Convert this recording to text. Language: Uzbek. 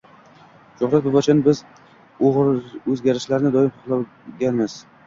Shuhrat Bobojon: Biz o‘zgarishlarni doim xohlaganmizng